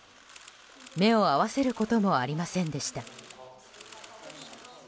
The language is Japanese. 目を合わせることもありませんでした。